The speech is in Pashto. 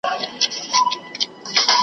او ارواښاد محمد عالم بڅرکي په شمول